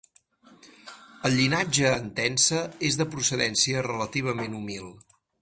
El llinatge Entença és de procedència relativament humil.